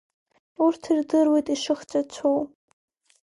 Урҭ ирдыруеит ишыхҵәацәоу.